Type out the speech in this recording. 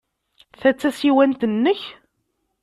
Ta d tasiwant-nnek?